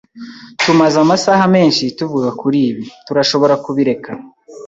Tumaze amasaha menshi tuvuga kuri ibi. Turashobora kubireka?